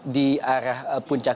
di arah puncak